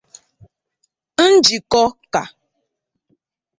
Njikọ ka